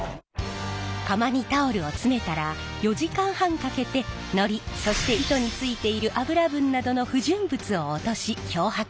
釜にタオルを詰めたら４時間半かけてのりそして糸についている油分などの不純物を落とし漂白します。